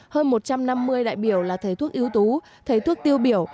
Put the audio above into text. hơn một trăm năm mươi đại biểu là thầy thuốc ưu tú thầy thuốc tiêu biểu